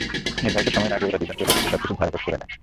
নির্ধারিত সময়ের আগেই ওরা দুজন চলে এসে সবকিছু ঝাড়পোঁছ করে নেয়।